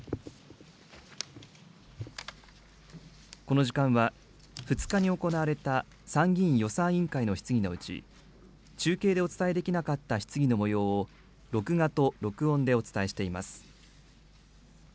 この時間は、２日に行われた参議院予算委員会の質疑のうち、中継でお伝えできなかった質疑のもようを、録画と録音でお伝えしています。